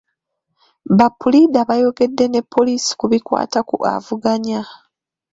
Ba puliida bayogedde ne poliisi ku bikwata ku avuganya.